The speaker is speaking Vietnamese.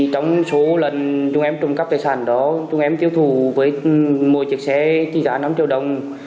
trong số lần chúng em trộm cắp tài sản đó chúng em tiêu thụ với mỗi chiếc xe trị giá năm triệu đồng